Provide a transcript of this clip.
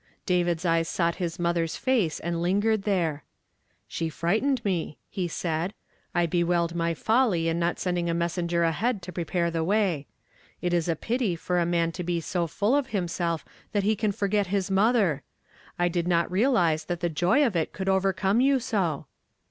David's eyes sought his mother's face and lin gered there. " She frightened me," he said. " I bewailed my folly in not sending a messenger aliead to prepare the way. It is a pity for a man to be so full of himself that he can forget his motlier! I did not realize that the joy of it could overcome you so."